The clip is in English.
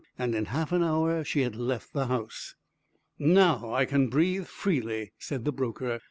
In half an hour she had left the house. "Now I can breathe freely," said the broker.